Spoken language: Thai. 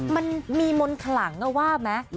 มันมีมนต์ขลังว่าไหม